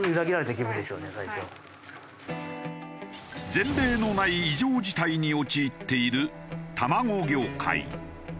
前例のない異常事態に陥っている卵業界。